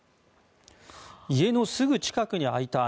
家のすぐ近くに開いた穴。